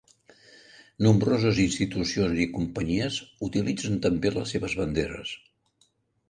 Nombroses institucions i companyies utilitzen també les seves banderes.